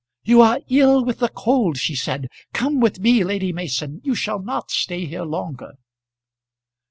"You are ill with the cold," she said. "Come with me, Lady Mason, you shall not stay here longer."